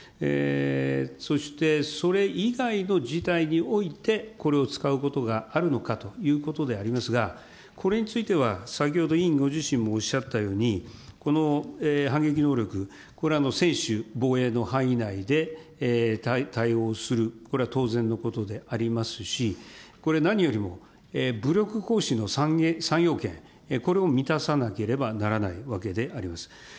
そしてそれ以外の事態においてこれを使うことがあるのかということでありますが、これについては、先ほど委員ご自身もおっしゃったように、この反撃能力、これ、専守防衛の範囲内で対応する、これは当然のことでありますし、これ何よりも、武力行使の３要件、これを満たさなければならないわけであります。